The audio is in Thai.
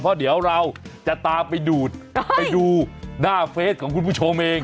เพราะเดี๋ยวเราจะตามไปดูดไปดูไปดูหน้าเฟสของคุณผู้ชมเอง